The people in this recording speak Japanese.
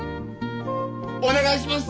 お願いします！